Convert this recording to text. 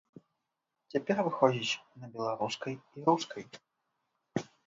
Цяпер выходзіць на беларускай і рускай.